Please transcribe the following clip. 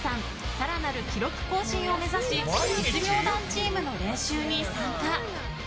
更なる記録更新を目指し実業団チームの練習に参加。